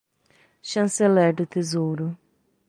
Chanceler do Tesouro